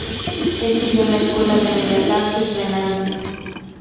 Estudió en la Escuela de Bellas Artes de Nancy.